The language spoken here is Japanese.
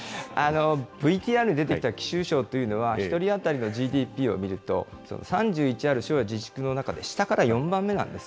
ＶＴＲに出てきた貴州省というのは、１人当たりのＧＤＰを見ると、３１ある自治区の中で下から４番目なんです。